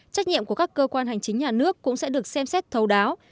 trách nhiệm của các cơ quan hành chính nhà nước cũng sẽ được xem xét thấu đáo